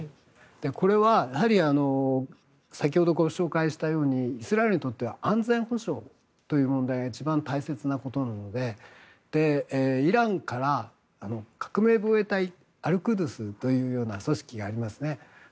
これはやはり先ほどご紹介したようにイスラエルにとっては安全保障という問題が一番大切なことなのでイランから革命防衛隊の組織がありますよね。